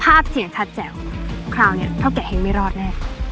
ภาพเสี่ยงทัดแจวคราวนี้เข้าแก่แหงไม่รอดนะ